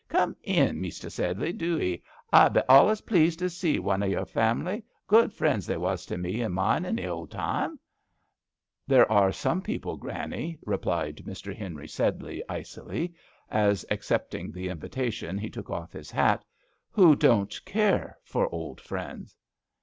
Come in, Mester Sedley, do 'ee ; I be alius pleased to zee one 0' your family — good GRANNY LOVELOCK AT HOME. 159 friends they was to me and mine in th' old time." "There are some people, Granny," replied Mr. Henry Sedley, icily, as, accepting the invitation, he took off his hat, " who don't care for old friends."